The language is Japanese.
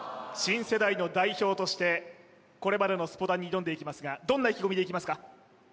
新世代の代表としてこれまでのスポダンに挑んでいきますがどんな意気込みでいきますか？